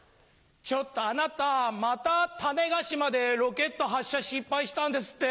ちょっとあなたまた種子島でロケット発射失敗したんですって？